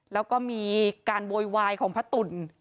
แล้วก็มีการโวยวายของพระตุ๋น